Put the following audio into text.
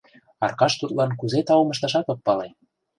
Аркаш тудлан кузе таум ышташат ок пале.